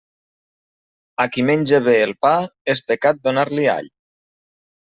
A qui menja bé el pa, és pecat donar-li all.